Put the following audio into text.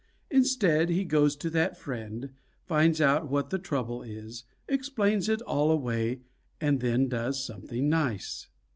Instead, he goes to that friend, finds out what the trouble is, explains it all away, and then does something nice.